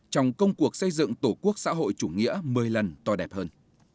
trong công cuộc xây dựng tổ quốc xã hội chủ nghĩa một mươi lần to đẹp hơn